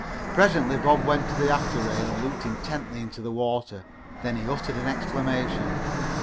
Presently Bob went to the after rail and looked intently into the water. Then he uttered an exclamation.